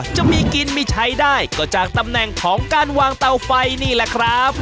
จะมีกินมีใช้ได้ก็จากตำแหน่งของการวางเตาไฟนี่แหละครับ